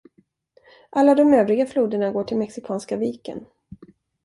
Alla de övriga floderna går till Mexikanska viken.